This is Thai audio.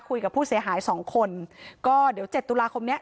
คุยกับผู้เสียหายสองคนก็เดี๋ยวเจ็ดตุลาคมเนี้ย